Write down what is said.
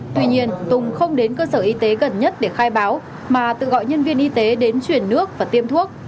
tuy nhiên tùng không đến cơ sở y tế gần nhất để khai báo mà tự gọi nhân viên y tế đến chuyển nước và tiêm thuốc